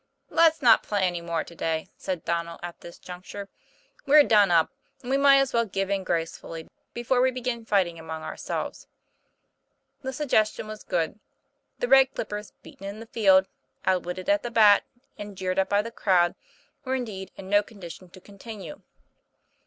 "Let's not play any more to day," said Donnel, at this juncture. "We're done up, and we might as well give in gracefully, before we begin fighting among ourselves." The suggestion was good; the Red Clippers, beaten in the field, outwitted at the bat, and jeered at by the crowd, were indeed in no condition to continue.